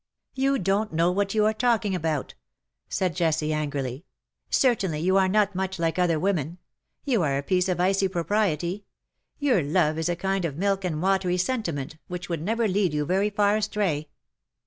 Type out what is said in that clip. " You don^t know what you are talking about !" said Jessie, angrily. " Certainly^ you are not much like other women. You are a piece of icy pro priety — your love is a kind of milk and watery sen timent, which would never lead you very far astray.